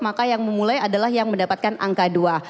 maka yang memulai adalah yang mendapatkan angka dua